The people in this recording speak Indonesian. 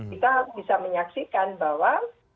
kita bisa menyaksikan bahwa